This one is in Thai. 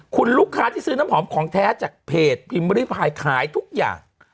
คุณลูกค้าที่ซื้อน้ำหอมของแท้จากเพจพิมพ์ริพายขายทุกอย่าง